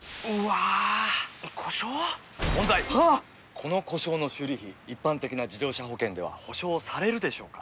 この故障の修理費一般的な自動車保険では補償されるでしょうか？